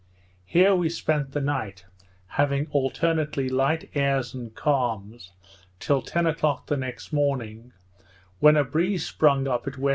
Here we spent the night, having alternately light airs and calms, till ten o'clock the next morning, when a breeze sprung up at W.S.